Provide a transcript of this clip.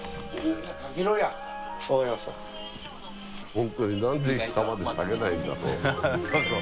本当になんで下まで下げないんだろう？